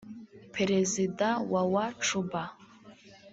perezida wa wa Cuba